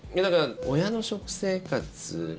親の食生活が。